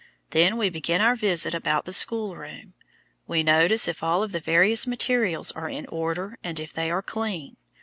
Then we begin our visit about the schoolroom. We notice if all of the various materials are in order and if they are clean.